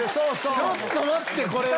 ちょっと待ってこれは！